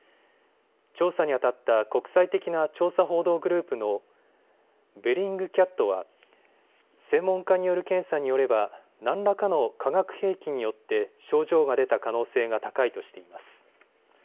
調査にあたった国際的な調査報道グループのベリングキャットは専門家による検査によれば何らかの化学兵器によって症状が出た可能性が高いとしています。